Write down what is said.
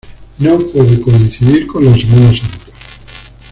No puede coincidir con la Semana Santa.